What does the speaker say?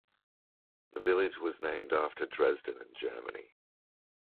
The village was named after Dresden in Germany.